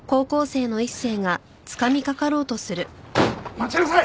待ちなさい！